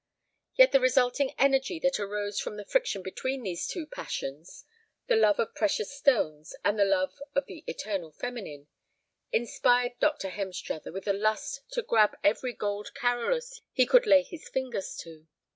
Yet the resulting energy that arose from the friction between these two passions, the love of precious stones and the love of the eternal feminine, inspired Dr. Hemstruther with a lust to grab every gold Carolus he could lay his fingers to.